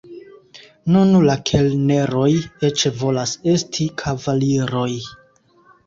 Nun la kelneroj eĉ volas esti kavaliroj.